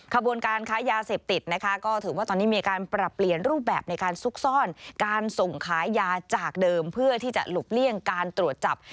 ขบวนการค้ายาเสพติดนะคะก็ถือว่าตอนนี้มีการปรับเปลี่ยนรูปแบบในการซุกซ่อนการส่งขายยาจากเดิมเพื่อที่จะหลบเลี่ยงการตรวจจับ